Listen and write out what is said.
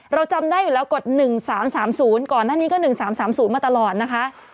เราจำได้อยู่แล้วกด๑๓๓๐ก่อนหน้านี้ก็๑๓๓๐มาตลอดนะคะ